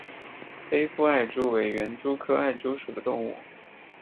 黑腹艾蛛为园蛛科艾蛛属的动物。